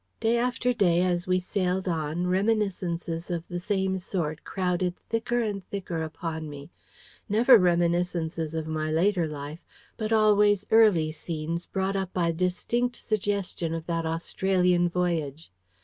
Day after day, as we sailed on, reminiscences of the same sort crowded thicker and thicker upon me. Never reminiscences of my later life, but always early scenes brought up by distinct suggestion of that Australian voyage.